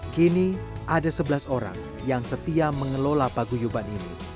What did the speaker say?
kini ada sebelas orang yang setia mengelola paguyuban ini